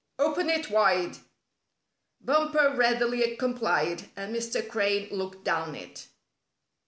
Open it wide." Bumper readily complied, and Mr. Crane looked down it.